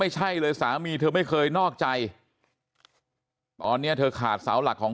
ไม่ใช่เลยสามีเธอไม่เคยนอกใจตอนนี้เธอขาดเสาหลักของ